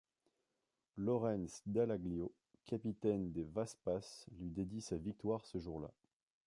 Lawrence Dallaglio, capitaine des Waspas, lui dédie sa victoire ce jour-là.